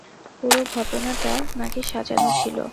পুরো ঘটনাটা নাকি সাজানো ছিল।